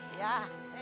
cepet tapi hati hati